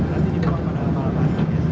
nanti dibawa ke balaraja